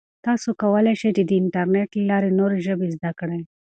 تاسو کولای شئ چې د انټرنیټ له لارې نوې ژبې زده کړئ.